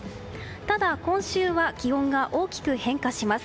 ただ、今週は気温が大きく変化します。